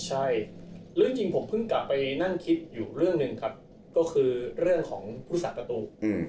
ใช่เรื่องจริงผมเพิ่งกลับไปนั่งคิดอยู่เรื่องหนึ่งครับก็คือเรื่องของผู้สาประตู